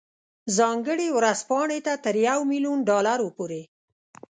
ځانګړې ورځپاڼې ته تر یو میلیون ډالرو پورې.